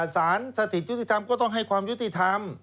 สารสถิตยุติธรรมก็ต้องให้ความยุติธรรม